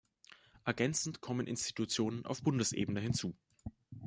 Ergänzend kommen Institutionen auf Bundesebene hinzu.